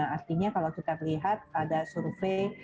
artinya kalau kita lihat ada survei